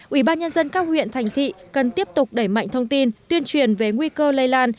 ủy ban nhân dân các huyện thành thị cần tiếp tục đẩy mạnh thông tin tuyên truyền về nguy cơ lây lan